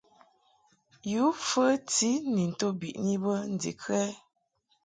Yǔ fəti ni nto biʼni bə ndikə ɛ ?